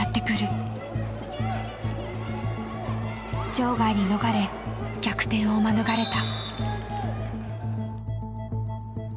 場外に逃れ逆転を免れた。